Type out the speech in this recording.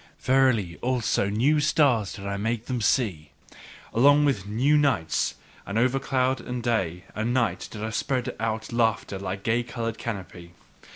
Verily, also new stars did I make them see, along with new nights; and over cloud and day and night, did I spread out laughter like a gay coloured canopy.